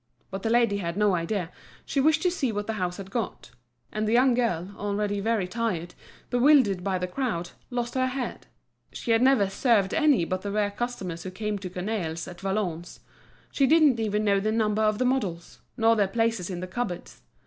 But the lady had no idea, she wished to see what the house had got. And the young girl, already very tired, bewildered by the crowd, lost her head; she had never served any but the rare customers who came to Cornaille's, at Valognes; she didn't even know the number of the models, nor their places in the cupboards.